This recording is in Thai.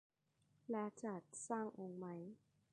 และจัดสร้างองค์ใหม่